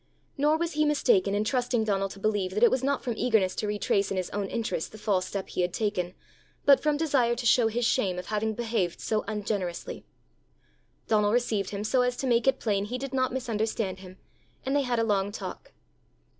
Nor was he mistaken in trusting Donal to believe that it was not from eagerness to retrace in his own interest the false step he had taken, but from desire to show his shame of having behaved so ungenerously: Donal received him so as to make it plain he did not misunderstand him, and they had a long talk.